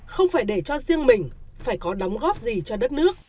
không phải để cho riêng mình phải có đóng góp gì cho đất nước